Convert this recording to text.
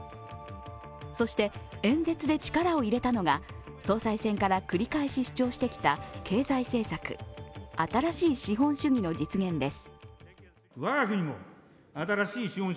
そして、演説で力を入れたのが、総裁選から繰り返し主張してきた経済政策、新しい資本主義の実現です。